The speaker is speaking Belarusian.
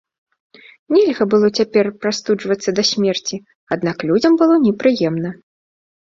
Нельга было цяпер прастуджвацца да смерці, аднак людзям было непрыемна.